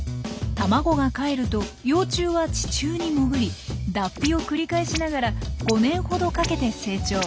卵がかえると幼虫は地中に潜り脱皮を繰り返しながら５年ほどかけて成長。